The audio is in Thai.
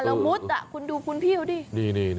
แล้วมุดคุณดูคุณพี่เขาดิ